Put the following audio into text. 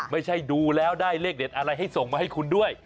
ไม่ใช่ดูแล้วได้เลขเด็ดอะไรให้ส่งมาให้คุณด้วย